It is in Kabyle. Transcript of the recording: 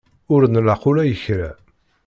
Ur nlaq ula i kra.